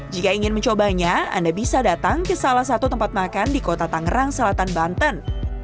jika ingin mencobanya anda bisa datang ke salah satu tempat makan di kota tangerang selatan banten